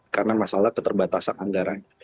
karena masalah keterbatasan anggaran